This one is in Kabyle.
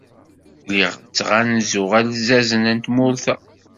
Lliɣ ttɣanzuɣ alzazen n tmurt-a.